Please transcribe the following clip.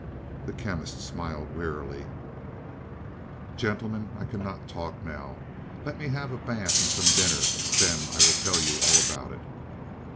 The Chemist smiled wearily. "Gentlemen, I cannot talk now. Let me have a bath and some dinner. Then I will tell you all about it."